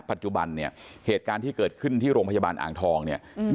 ปัจจุบันเนี่ยเหตุการณ์ที่เกิดขึ้นที่โรงพยาบาลอ่างทองเนี่ย